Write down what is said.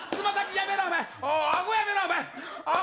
やめろお前あご